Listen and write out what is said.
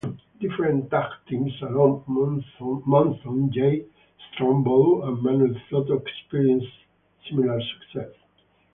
Different tag teams along Monsoon, Jay Strongbow and Manuel Soto experienced similar success.